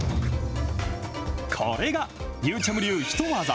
これがゆーちゃむ流ヒトワザ。